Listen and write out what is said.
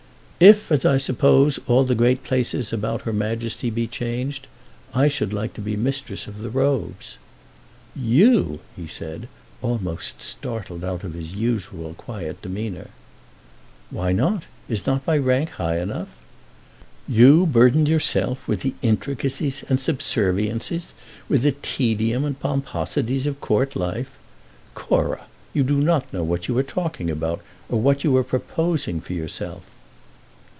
"If, as I suppose, all the great places about her Majesty be changed, I should like to be Mistress of the Robes." "You!" said he, almost startled out of his usual quiet demeanour. "Why not I? Is not my rank high enough?" "You burden yourself with the intricacies and subserviences, with the tedium and pomposities of Court life! Cora, you do not know what you are talking about, or what you are proposing for yourself."